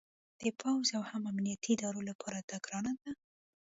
د پوځ او هم امنیتي ادارو لپاره دا ګرانه ده